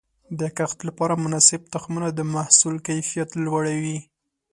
د کښت لپاره مناسب تخمونه د محصول کیفیت لوړوي.